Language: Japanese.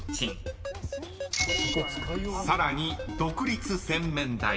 ［さらに］